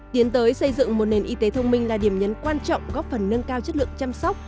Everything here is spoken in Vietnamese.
tiến tới xây dựng một nền y tế thông minh là điểm nhấn quan trọng góp phần nâng cao chất lượng chăm sóc